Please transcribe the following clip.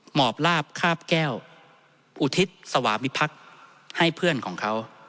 หมอบลาบคาบแก้วอุทิศสวามิพักษ์ให้เพื่อนของเขา